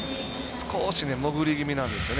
少し潜り気味なんですよね。